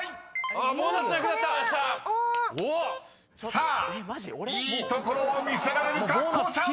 ［さあいいところを見せられるか⁉こうちゃん！］